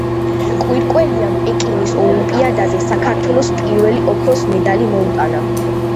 კვირკველიამ პეკინის ოლიმპიადაზე საქართველოს პირველი ოქროს მედალი მოუტანა.